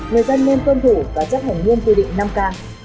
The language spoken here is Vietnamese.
người dân nên tuân thủ và chấp hành nghiêm quy định năm k